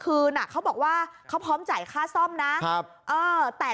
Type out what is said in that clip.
เขาบอกว่าเขาพร้อมจ่ายค่าซ่อมนะครับเออแต่